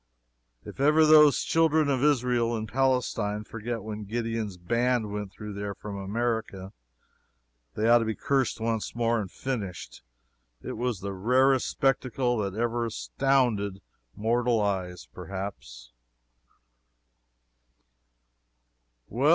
If ever those children of Israel in Palestine forget when Gideon's Band went through there from America, they ought to be cursed once more and finished. It was the rarest spectacle that ever astounded mortal eyes, perhaps.